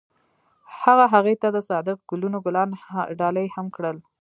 هغه هغې ته د صادق ګلونه ګلان ډالۍ هم کړل.